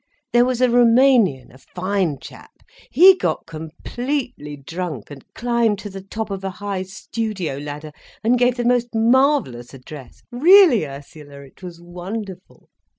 There was a Roumanian, a fine chap. He got completely drunk, and climbed to the top of a high studio ladder, and gave the most marvellous address—really, Ursula, it was wonderful!